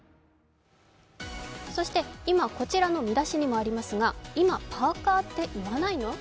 そして今、こちらの見出しにもありますが、「今、パーカーって言わないの？」